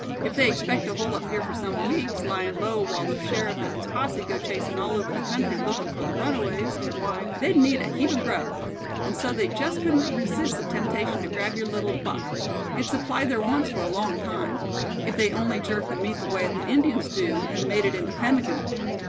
If they expect to hole up here for some weeks, lyin' low while the sheriff and his posse go chasin' all over the country lookin' for the runaways, why, they'd need a heap of grub; and so they just couldn't resist the temptation to grab your little buck. It'd supply their wants for a long time, if they only jerked the meat the way the Indians do, and made it into pemmican."